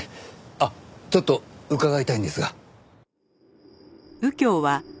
あっちょっと伺いたいんですが。